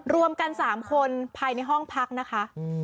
รวมกัน๓คนภายในห้องพักนะคะ